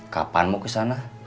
kapan mau ke sana